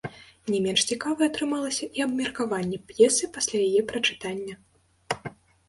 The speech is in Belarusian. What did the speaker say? Не менш цікавай атрымалася і абмеркаванне п'есы пасля яе прачытання.